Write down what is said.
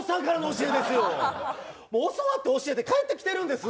教わって教えて返ってきてるんです。